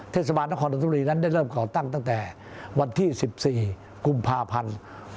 เทศบาลนครดนทบุรีนั้นได้เริ่มก่อตั้งตั้งแต่วันที่๑๔กุมภาพันธ์